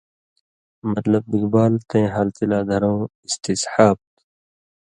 مطلب بِگ بال تَیں حالتی لا دھرؤں استصحاب تُھو